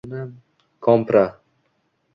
Kompra